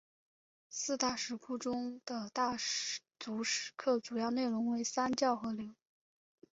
四大石窟中的大足石刻主要内容就为三教合流。